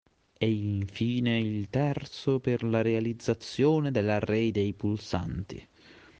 E infine il terzo per la realizzazione dell'array dei pulsanti.